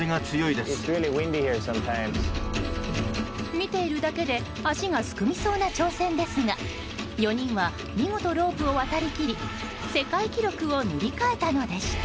見ているだけで足がすくみそうな挑戦ですが４人は見事にロープを渡り切り世界記録を塗り替えたのでした。